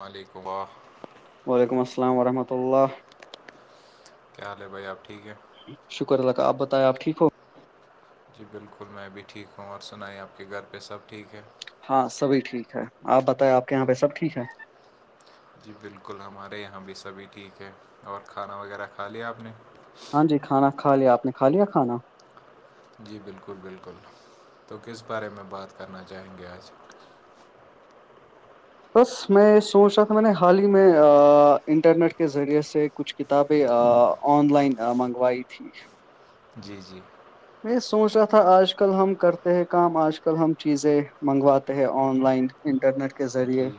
ال علیک واہ وعلیکم السلام ورحمۃہ اللہ کیا حال ہے بھائی آپ ٹھیک ہیں شکر اللہا آپ بتائ آپ ٹھیک ہو گ جی بالکل میں ابھی ٹھیک ہوں اور سنائے آپ کے گھر پہ سب ٹھیک ہے ہاں سبھی ٹھیک ہے آپ بتائیں آپ کے یہاں پہ سب ٹھیک ہے جی بالکل ہمارے یہاں بھی سبھی ٹھیک ہے اور کھانا وغیرہ کھا لیا آپ نے ہاں جی کھانا کھا لیا آپ نے کا لیا کھانا جی بالکل بالکل تو کس بارے میں بات کرنا چاہیں گے آج بس میں یہ سوچ رہا تھا میں نے حال ہی میں انٹرنیٹ کے ذریعے سے کچھ کتابیں آن لائن منگوائی تھی جی جی میں سوچ رہا تھا آج کل ہم کرتے ہیں کام آج کل کل ہم چیزیں منگواتے ہیں آن لائن انٹرنیٹ کے ذریعے جی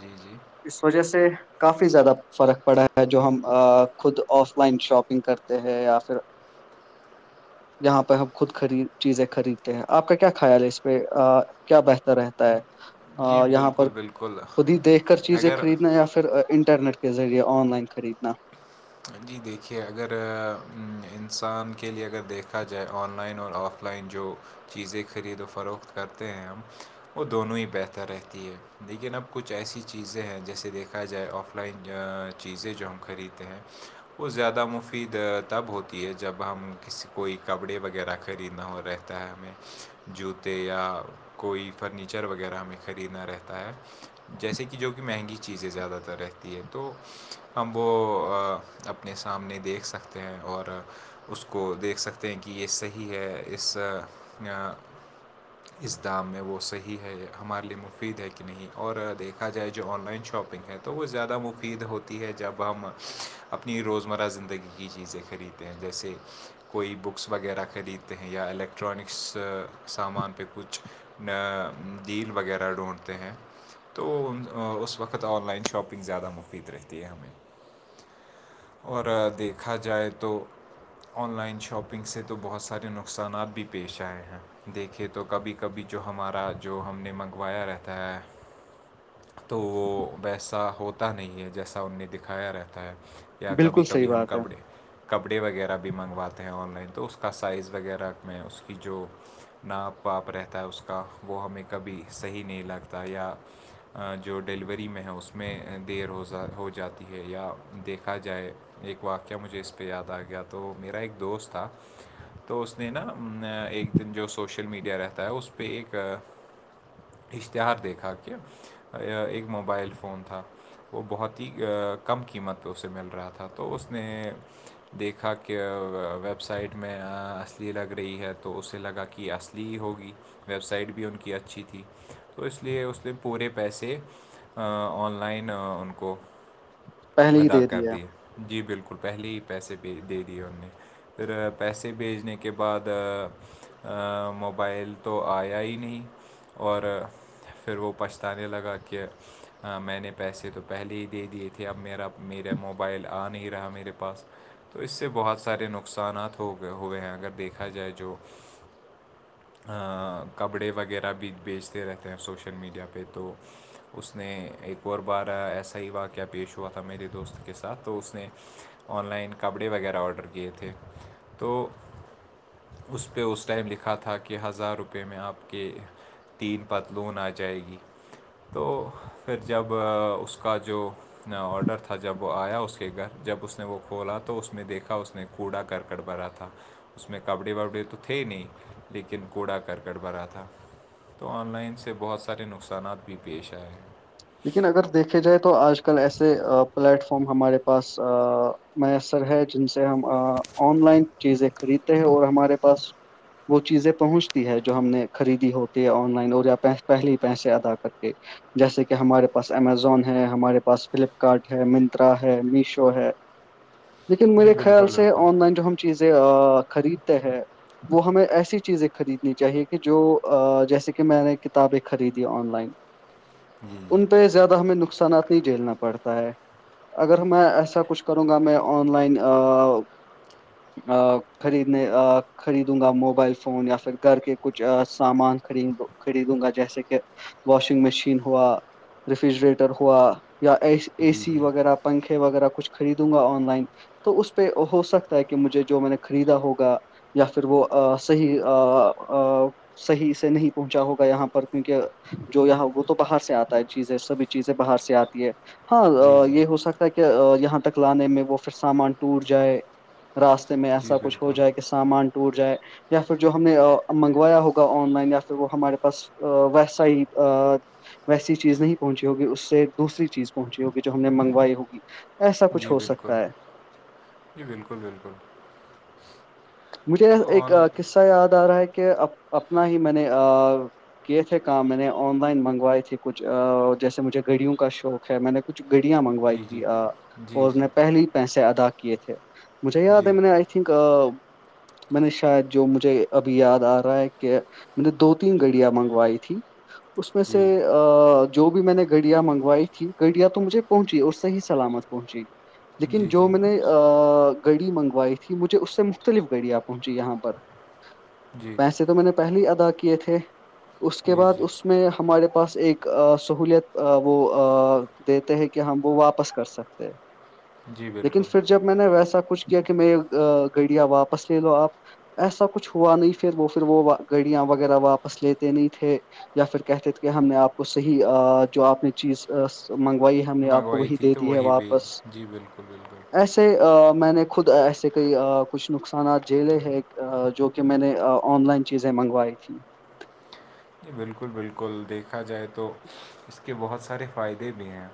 جی جی اس وجہ سے کافی زیادہ فرق پڑا ہے جو ہم خود آف لائن شاپنگ کرتے ہیں یا پھر جاں پہ ہم خود خ چیزیں خریدتے ہیں آپ کا کیا خیال ہے اس پہ کیا بہتر ہے جی یہاں پر بالکل بالکل خود ہی دیکھ کر چیزیں اگر خریدنا یا پھر انٹرنیٹ کے ذریعے آن لائن خریدنا جی دیکھیے اگر انسان کے لیے اگر دیکھا جائے آن لائن اور آف آف لائن جو چیزیں خرید و فروخت کرتے ہیں ہم وہ دونوں ہی بہتر رہتی ہے لیکن اب کچھ ایسی چیزیں ہیں جیسے دیکھا جائے آف آ لائن چیزیں جو ہم خریدتے ہیں وہ زیادہ مفید تب ہوتی ہے جب ہم کسی کوئی کپڑے وغیرہ خریدنا ہو رہ ت ہے ہمیں جوتے یا کوئی فرنیچر وغیرہ ہمیں خریدنا رہتا ہے جیسے کہ جو کہہ مہنگی چیزیں زیادہ تر رہتی ہے تو ہم وہ اپنے سامنے دیکھ سکتے ہیں اور کو دیکھ سکتے ہیں کہ یہ صحیح ہے اس اس دام میں وہ صحیح ہے ہمارے لیے مفید ہے کہ نہیں اور دیکھا جائے جو آن لائن شاپنگ ہے تو وہ زیادہ مفید ہوتی ہے جب ہم اپنی روزمرہ زندگی کی چیزیں خریدتے ہیں جیسے کوئی بکس وغیرہ خریدتے ہیں یا الیکٹرانکس سامان پہ کچھ جل وغیرہ ڈھونڈھتے ہیں تو اس وقت آن لائن شاپنگ زیادہ مفید رہتی ہے ہمیں اور دیکھا جائے تو آن لائن شاپنگ سے تو بہت سارے نقصانات بھی پیش آئے ہیں دیکھے تو کبھی کبھی جو ہمارا جو ہم نے منگوایا رہتا ہے تو وہ ویسا ہوتا نہیں ہے جیسا ان نے دکھایا رہتا ہے یا کبھی بالکل صحیح کبھی ہم بات ہے کپڑے کپڑے وغیرہ بھی منگواتے ہیں آن لائن تو اس کا سائز وغیرہ میں اس کی جو ناپ پاپ رہتا ہے اس کا وہ ہمیں کبھی صحیح نہیں لگتا یا جو ڈیلیوری میں ہے اس میں دیر ہوا ہو جاتی ہے یا دیکھ ا جائے ایک واقعہ مجھے اس پہ یاد آ گیا تو میرا ایک دوست تھا تو اس نے نا ایک دن جو سوشل میڈیا رہتا ہے اس پہ ایک اشتہار دیکھا کہ ایک موبائل فون تھا وہ بہت ہی کم قیمت پہ اسے مل رہا تھا تو اس نے دیکھا کہ ویب سائٹ میں اصلی لگ رہی ہے تو اسے لگا کہ اصلی لی ہوگی ویب سائٹ بھی ان کی اچھی تھی تو اس لیے اس نے پورے پیسے آن لائن ان کو پہلے ہی ادا دے کر دیا ہے دیے جی بالکل پہلے ہی پیسے دے دیے ان نے پھر پیسے بھیجنے کے بعد ا موبائل تو آیا ہی نہیں اور پھر وہ پچھتانے لگا کہ میں نے پیسے تو پہلے ہی دے دیے تھے اب میرا میرا موبائل آ نہیں رہا میرے پاس تو اس سے بہت سارے نقصانات ہو گئے ہوئے ہیں اگر دیکھا جائے جو کپڑے وغیرہ بھی بیچتے رہتے ہیں سوشل میڈیا پہ تو اس نے ایک اور بار ایسا ہی واقعہ پیش ہوا تھا میرے دوست کے ساتھ تو اس نے آن لائن کپڑے وغیرہ آڈر کیے تھے تو اس پہ وہ ٹائم لکھا تھا کہ ہزار روپے میں اپ کے تین پتلون آ جائے گی تو پھر جب اس کا جو آڈر تھا تھا جب وہ آیا اس کے گھر جب اس نے وہ کھولا تو اس میں دیکھا اس نے کوڑا کرکٹ بھرا تھا اس میں کپڑے وپڑے تو تھے ہی نہیں لیکن کوڑا کرکٹ بھرا تھا تو آن لائن سے بہت سارے نقصانات بھی پیش آئے لیکن اگر دیکھا جائے تو آج کل ایسے پلیٹ فارم ہمارے پاس میسر ہے جن سے ہم آن لائن چیزیں خرید اور ہمارے پاس وہ چیزیں پہنچتی ہے جو ہم نے خریدی ہوتی ہے آن لائن اور یا پہلے ہی پیسے ادا کر کے جیسے کہ کہ ہمارے پاس امیزون ہے ہمارے پاس فلپکارٹ ہے منترا ہے میشو ہے لیکن جی میرے خیال بالکل سے آن بالکل لائن جو ہم چیزیں خریدتے ہیں وہ ہمیں ایسی چیزیں خریدنی چاہیے کہ جو جیسے کہ میں نے کتابیں خریدی آن لائن ان پہ زیادہ ہمیں نقصانات نہیں جھیلنا پڑتا ہے اگر میں ایسا کچھ کروں گا میں آن لائن [inaudible] خریدنے خریدوں گا موبائل فون یا پھر گھر کے کچھ سامان خرید خریدوں گا جیسے کہ واشنگ مشین ہوا ریفریجریٹر ہوا یا اے سی وغیرہ پنکھے وغیرہ کچھ خریدوں گا آن لائن تو اس پہ ہو سکتا ہے کہ مجھے جو میں نے خریدا ہوگا یا پھر وہ صحیح صحیح سے نہیں پہنچا ہوگا یہاں پر کیونکہ جو یہاں وہ تو باہر سے آتا چیزیں سبھی چیزیں باہر سے آتی ہے جی جی ہاں جی یہ ہو سکتا ہے کہ یہاں تک لانے میں وہ پھر سامان ٹوٹ جائے راستے میں جی ایسا کچھ ہو جائے بالکل کہ سامان ٹوٹ جائے یا پھر جو ہم نے منگوایا ہوگا آن لائن یا پھر وہ ہمارے پاس ا ویسا ہی ویسی چیز نہیں پہنچی ہوگی اس سے دوسری چیز پہنچی ہوگی جو ہم نے منگوائی ہوگی ایسا کچھ جی ہو بالکل سکتا ہے جی بالکل بالکل مجھے تو ایک آن قصہ یاد آ رہا ہے کہ اپنا ہی میں نے کیے تھے کام میں نے آن لائن منگوائے تے کچھ جیسے مجھے گھڑیوں کا شوق ہے میں نے کچھ گڑیاں منگوائی جی جی تھی اور جی اس نے پہلے ہی پیسے ادا کیے تھے مجھے یاد ہے جی جی میں نے آئی تھنک میں نے شاید جو مجھے ابھی یاد آ رہا ہے کہ میں نے دو تین گڑیاں منگوائی تھی اس میں سے جی جو بھی میں نے گڈیاں منگوائی تھی گڑیاں تو مجھے پہنچی اور صحیح سلامت پہنچی لیکن جی جو جی میں نے گڑی منگوائی تھی مجھے اس سے مختلف گاڑیاں پہنچی یہاں پر جی ویسے تو میں نے پہلے ہی ادا کیے تھے اس کے جی بعد جی اس میں ہمارے پاس ایک سہولیت وہ دیتے ہیں کہ ہم وہ واپس کر سکتے ہیں [inaudible] لیکن بالکل پھر جب میں نے ویسا کچھ کیا کہ میں گڑیا واپس لے لو آپ ایسا کچھ ہوا نہیں پھر وہ پھر وہ گڑیاں وغیرہ واپس لیتے نہیں تھے یا پھر کہتے تھے کہ ہم نے آپ کو صحیح جو آپ نے چیز منگوائی ہے ہم نے آپ کو منگوائی وہی تھی دے تو دی ہے وہی بھیج واپس جی بالکل بالکل ایسے سے میں نے خود ایسے کئی کچھ نقصانات جیلیں ہے جو کہ میں نے آن لائن چیزیں منگوائی تھیں ج بالکل بالکل دیکھا جائے تو اس کے بہت سارے فائدے بھی ہیں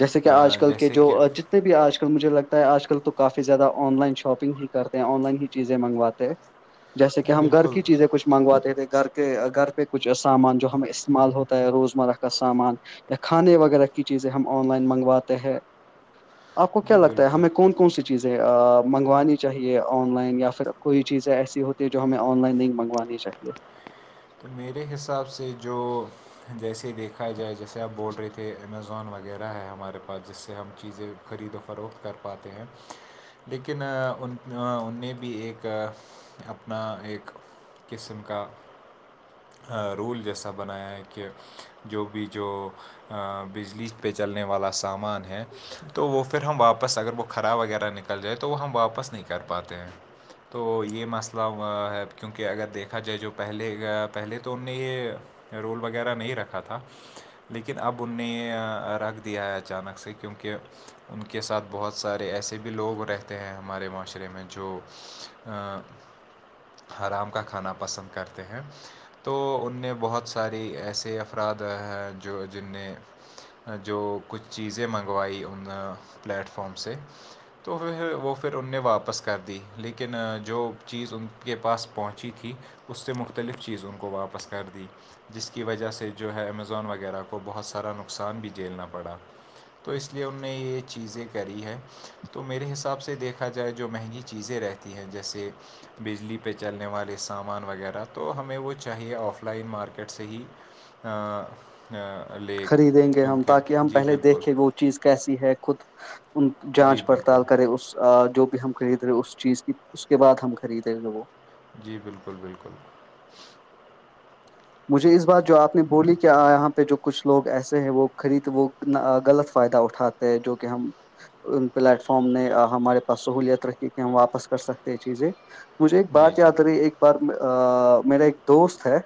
جیسے کہ آج آ، کل کے جیسے جو کہ اج بھی آج کل مجھے لگتا ہے آج کل تو کافی زیادہ آن لائن شاپنگ ہی کرتے ہیں آن لائن ہی چیزیں منگواتے ہیں [inaudible] جیسے کہ ہم گھر بالکل کی چیزیں کچھ منگواتے تھے گھر کہ گھر پہ کچھ سامان جو ہمیں استعمال ہوتا ہے روزمرہ کا سامان یا کھانے وغیرہ کی چیزیں ہم آن لائن منگواتے ہیں آپ کو کیا جی لگتا ہے بالکل ہمیں کون کون سی چیزیں منگوانی چاہیے آن لائن یا پھر کوئی چیزیں ایسی ہوتی جو ہمیں آن لائن نہیں منگوانی چاہیے تو میرے حساب سے جو جیسے دیکھا جائے جیسے آپ بول رہے تھے امیزون وغیرہ ہے ہمارے پاس جس سے ہم چیزیں خرید و فروخت کر پاتے ہیں لیکن ان ان نے بھی ایک اپنا ایک قسم کا رول جیسا بنایا ہے کہ جو بھی جو بجلی پہ چلنے والا سامان ہے تو وہ پھر ہم واپس اگر وہ خراب وغیرہ نکل جائے تو وہ ہم واپس نہیں کر پاتے ہیں تو یہ مسئلہ ہے کیونکہ اگر دیکھا جائے جو پہلے پہلے تو ان نے یہ رول وغیرہ نہیں رکھا تھا لیکن اب انہوں نے رکھ دیا ہے اچانک سے کیونکہ ان کے ساتھ بہت سارے ایسے بھی لوگ رہتے ہیں ہمارے معاشرے میں جو حرام کا کھانا پسند کرتے ہیں تو انہوں نے بہت ساری ایسے افراد ہیں جو جن نے جو کچھ چیزیں منگوائی ان پلیٹ فارم سے تو پھر وہ پھر ان نے واپس کر دی لیکن جو چیز ان کے پاس پہنچی تھی اس سے مختلف چیز ان کو واپس کر دی جس کی وجہ سے جو ہے امیزون وغیرہ کو بہت سارا نقصان بھی جھیلنا پڑا تو اس لیے انہوں نے یہ چیزیں کری ہے تو میرے حساب سے دیکھا جائے جو مہنگی چیزیں رہتی ہیں جیسے بجلی پہ چلنے والے سامان وغیرہ تو ہمیں وہ چاہیے آف لائن مارکیٹ سے ہی لے خریدیں گے ہم کیونکہ تاکہ ہم جی پہلے بالکل دیکھیں وہ چیز کیسی ہے خود ان جی جانچ بالکل پڑتال کرے اس جو بھی ہم خرید رہے اس چیز کی اس کے بعد ہم خرید رہے جی بالکل بالکل مجھے اس بات جو آپ نے بولی کہ یہاں پہ جو کچھ لوگ ایسے ہیں وہ خرید وہ غلط فائدہ اٹھاتا جو کہ ہم ان پلیٹ فارم نے ہمارے پاس سہوولت رکھی کہ ہم واپس کر سکتے یہ چیزیں مجھے ایک جی بات جی یاد رہی ایک بار میرا ایک دوست ہے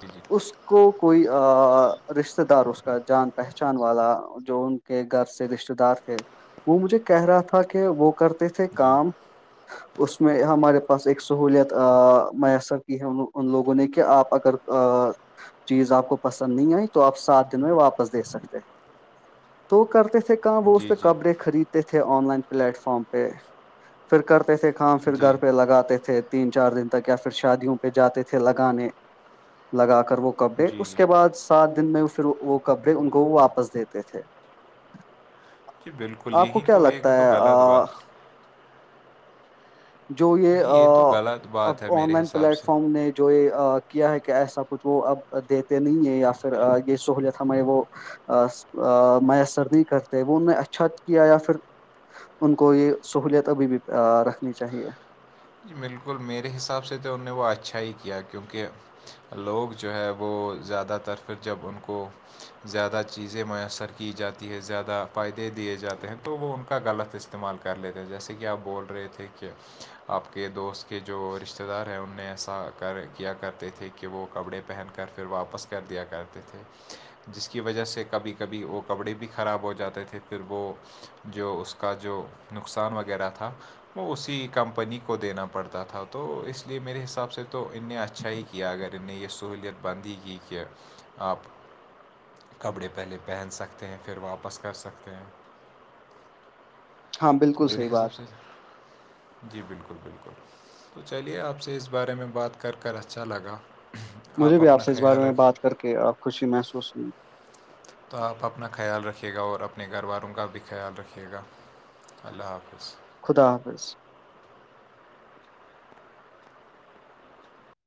جی جی اس کو کوئی رشتتے دار اس کا جان پہچان والا جو ان کے گھر سے رشتے دار تھے وہ مجھے کہہ رہا تھا کہ وہ کرتے تھے جی کام اس میں ہمارے پاس ایک سہولیت میسر کی ہم لوگ ان لوگوں نے کہ آپ اگر چیز آپ کو پسند نہیں آئی تو آپ سات دن میں واپس دے سکتے ہیں تو کرتے تھے وہ اس جی پہ کپڑے خریدتے تھے آن لائن پلیٹ فارم پہ پھر کرتے تھے پھر جی جی گھر پہ لگاتے تھے تین چار دن تک یا پھر شادیوں پہ جاتے تھے پھر لگانے لگا کر وہ کپڑے جی اس کے بعد سات دن میں پھر وہ کپڑے ان کو واپس دیتے تھے جی بالکل آپ کو یہی کیا تو یہ لگتا تو ہے غلط آ بات جو یہ جی تو غلط اب بات ہے آن میرے لائن حساب پلیٹ سے فارم نے جو یہ کیا ہے کہ ایسا کچھ وہ اب دیتے نہیں ہے یا پھر یہ سہولت ہماری وہ میسر نہیں کرتے وہ انوں نے اچھا کیا یا پھر ان کو یہ سہوولت ابھی بھی رکھنی چاہیے جی بالکل میرے حساب سے تو انوں نے وہ اچھا ہی کیا کیونکہ لوگ جو ہے وہ زیادہ تر پھر جب ان کو زیادہ چیزیں میسر کی جاتی ہے زیادہ فائدے دیے جاتے ہیں تو وہ ان کا غلط اس استعمال کر لیتے ہیں جیسے کہ آپ بول رہے تھے کہ آپ کے دوست کے جو رشتے دار ہیں ان نے ایسا کر کیا کرتے تھے کہ وہ کپڑے پہن کر پھر واپس کر دیا کرتے تھے جس کی وجہ سے کبھی کبھی وہ کپڑے بھی خراب ہو جاتے تھے پھر وہ جو اس کا جو نقصان وغیرہ تھا وہ اسی کمپنی کو دینا پڑتا تھا تو اس لیے میرے حساب سے تو ان نے اچھا ہی کیا اگر ان نے یہ سہولیت بند ہی کی کہ ٹھ ہے آپ [unintelligible] کپڑے پہلے پہن سکتے ہیں پھر واپس کر سکتے ہیں ہاں تو بالکل میرے صحیح حساب سے بات جی بالکل بالکل تو چلیے آپ سے اس بارے میں بات کر کر اچھا لگا مجھے بھی آپ اپنا سے اس بارے خیال میں رکھیں بات کر کےپ خوشی محسوس ہوئی [unintelligible] تو آپ اپنا خیال رکھیے گا اور اپنے گھر والوں کا بھی خیال رکھیے گا اللہ حافظ خدا حافظ